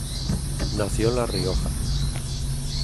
Nació en La Rioja.